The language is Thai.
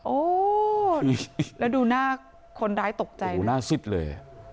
โอ้แล้วดูหน้าคนร้ายตกใจหน้าซิดเลย